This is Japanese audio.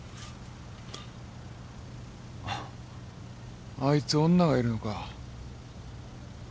あぁあいつ女がいるのか。